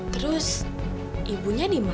terus ibunya dimana